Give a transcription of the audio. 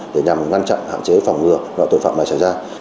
để nhằm ngăn chặn hạn chế phòng ngừa loại tội phạm này xảy ra